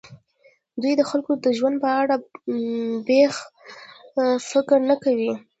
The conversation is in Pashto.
دوی د خلکو د ژوند په اړه بېڅ فکر نه کوي.